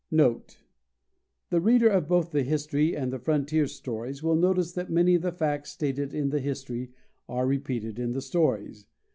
NOTE. The reader of both the history and the frontier stories will notice that many of the facts stated in the history are repeated in the stories.